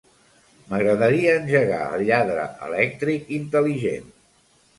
M'agradaria engegar el lladre elèctric intel·ligent.